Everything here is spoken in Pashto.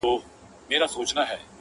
د آزادي نړۍ دغه کرامت دی -